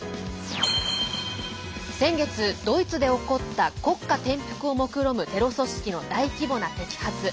先月、ドイツで起こった国家転覆をもくろむテロ組織の大規模な摘発。